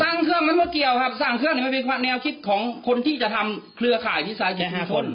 สั่งเครื่องมันไม่เกี่ยวครับสั่งเครื่องนี่มันเป็นแนวคิดของคนที่จะทำเครือข่ายที่ศาสตร์กิจชุมชน